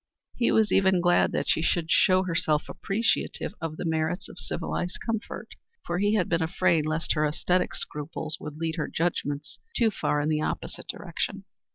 He was even glad that she should show herself appreciative of the merits of civilized comfort, for he had been afraid lest her ascetic scruples would lead her judgments too far in the opposite direction.